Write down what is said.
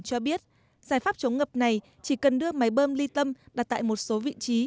cho biết giải pháp chống ngập này chỉ cần đưa máy bơm ly tâm đặt tại một số vị trí